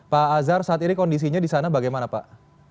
pak azhar saat ini kondisinya di sana bagaimana pak